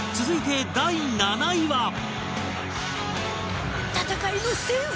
続いて第７位は